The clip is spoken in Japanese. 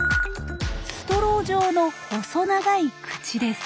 ストロー状の細長い口です。